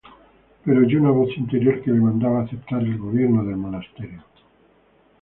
Pero oyó una voz interior que le mandaba aceptar el gobierno del monasterio.